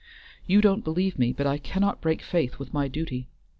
You don't believe me, but I cannot break faith with my duty.